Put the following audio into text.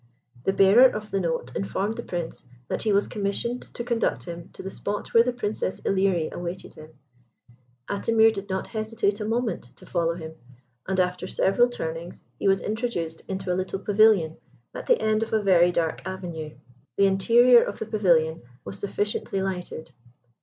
The bearer of the note informed the Prince that he was commissioned to conduct him to the spot where the Princess Ilerie awaited him. Atimir did not hesitate a moment to follow him, and after several turnings, he was introduced into a little pavilion at the end of a very dark avenue. The interior of the pavilion was sufficiently lighted.